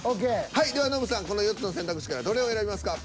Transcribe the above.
はいではノブさんこの４つの選択肢からどれを選びますか？